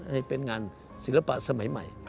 ให้เป็นงานศิลปะสมัยใหม่